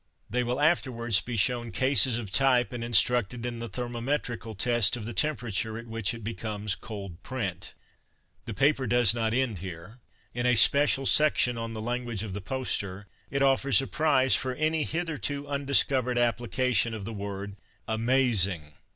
They will afterwards be shown cases of type and instructed inthethermometrical testof the temperature at which it becomes " cold print." ... The paper does not end here. In a special section on the language of the poster, it offers a prize for any hitherto undiscovered application of the word " amazing."